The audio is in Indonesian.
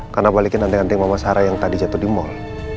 karena balikin nanti nanti mama sarah yang tadi jatuh di mall